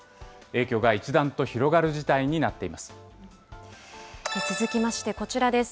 影響が一段と広がる事態になって続きまして、こちらです。